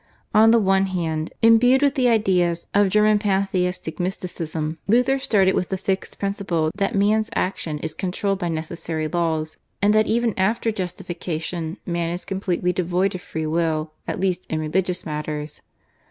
On the one hand, imbued with the ideas of German Pantheistic mysticism, Luther started with the fixed principle that man's action is controlled by necessary laws, and that even after justification man is completely devoid of free will at least in religious matters.